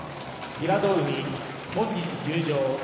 平戸海本日休場。